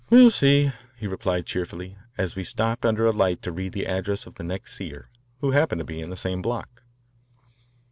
"We'll see," he replied cheerfully, as we stopped under a light to read the address of the next seer, who happened to be in the same block.